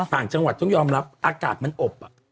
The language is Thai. ต่างจังหวัดต้องยอมรับอากาศมันอบ